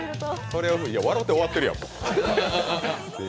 いや、笑って終わってるやん。